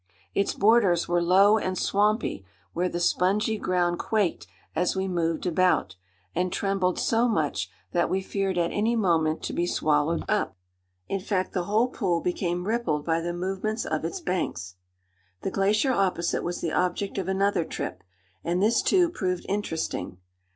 Its borders were low and swampy, where the spongy ground quaked as we moved about, and trembled so much that we feared at any moment to be swallowed up. In fact the whole pool became rippled by the movements of its banks. The glacier opposite was the object of another trip, and this, too, proved interesting.